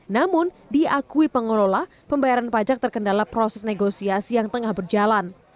namun diakui pengelola pembayaran pajak terkendala proses negosiasi yang tengah berjalan